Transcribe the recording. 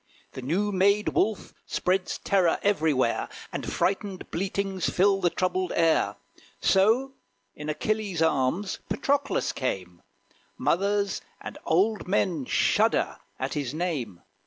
The new made Wolf spreads terror everywhere; And frightened bleatings fill the troubled air. So in Achilles arms Patroclus came: Mothers and old men shudder at his name.